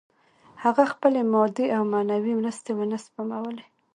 هغه خپلې مادي او معنوي مرستې ونه سپمولې